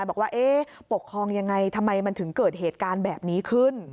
บอกว่าปกครองยังไงทำไมมันถึงเกิดเหตุการณ์แบบนี้ขึ้น